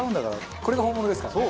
これが本物ですからね。